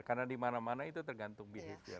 karena di mana mana itu tergantung behavior